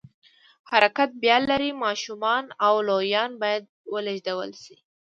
حرکت بیه لري، ماشومان او لویان باید ولېږدول شي.